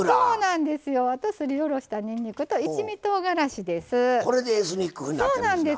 すり下ろしたにんにくと一味とうがらしです。